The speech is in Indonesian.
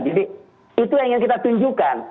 jadi itu yang ingin kita tunjukkan